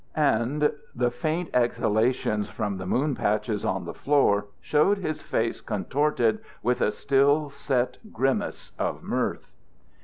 And the faint exhalations from the moon patches on the floor showed his face contorted with a still, set grimace of mirth.